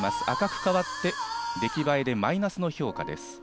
赤く変わって出来栄えでマイナスの評価です。